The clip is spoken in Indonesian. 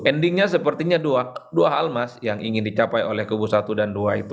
endingnya sepertinya dua hal mas yang ingin dicapai oleh kubu satu dan dua itu